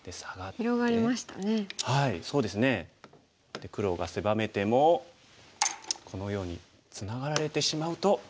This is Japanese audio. で黒が狭めてもこのようにツナがられてしまうと。